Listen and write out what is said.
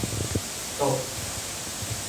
ตบ